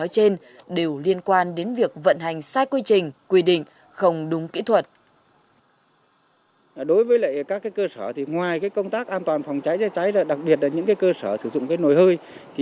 và sử dụng người vận hành không có kỹ thuật hiểu biết về sử dụng lò hơi